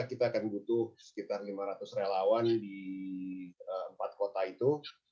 kita akan butuh sekitar lima ratus relawan di empat kota itu